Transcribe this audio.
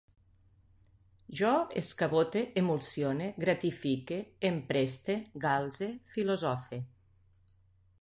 Jo escabote, emulsione, gratifique, empreste, galze, filosofe